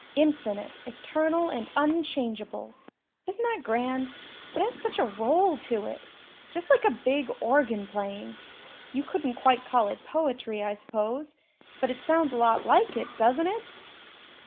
'Infinite, eternal and unchangeable.' Isn't that grand? It has such a roll to it just like a big organ playing. You couldn't quite call it poetry, I suppose, but it sounds a lot like it, doesn't it?"